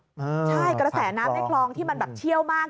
ใช่กระแสน้ำในคลองที่มันแบบเชี่ยวมาก